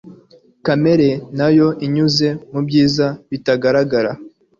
Kamere nayo inyuze mubyiza bitagaragara